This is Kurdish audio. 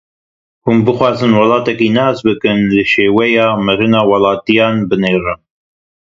Hûn bixwazin welatekî nas bikin, li şêweya mirina welatiyan binêrin.